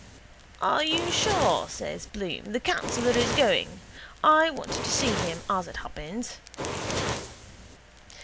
—Are you sure, says Bloom, the councillor is going? I wanted to see him, as it happens.